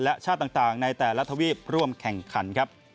และชาติต่างในแต่ละทวีปร่วมแข่งขันครับ